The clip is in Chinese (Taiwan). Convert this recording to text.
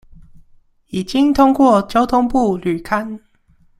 已經通過交通部履勘